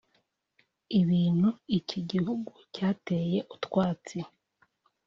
ibintu iki gihugu cyateye utwatsi